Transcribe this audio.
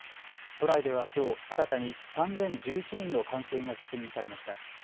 都内ではきょう新たに３０１１人の感染が確認されました。